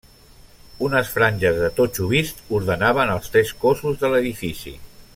Unes franges de totxo vist ordenaven els tres cossos de l'edifici.